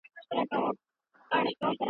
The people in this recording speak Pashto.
ده د دوه مخې چلند نه کاوه.